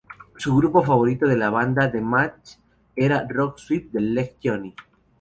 Su grupo favorito es la banda de math rock Sweep the Leg Johnny.